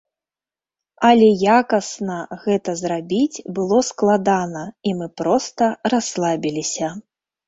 Але якасна гэта зрабіць было складана, і мы проста расслабіліся.